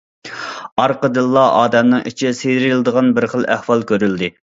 ئارقىدىنلا ئادەمنىڭ ئىچى سىيرىلىدىغان بىر خىل ئەھۋال كۆرۈلدى.